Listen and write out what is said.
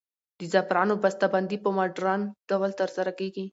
د زعفرانو بسته بندي په مډرن ډول ترسره کیږي.